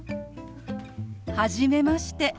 はじめまして。